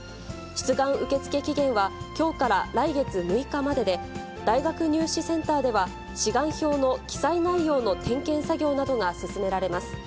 出願受け付け期限は、きょうから来月６日までで、大学入試センターでは、志願票の記載内容の点検作業などが進められます。